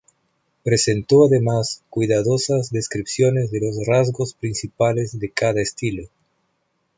Presentó además cuidadosas descripciones de los rasgos principales de cada estilo.